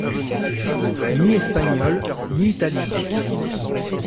Ni espagnol, ni italien.